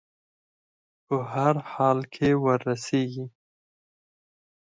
په هر حال کې وررسېږي.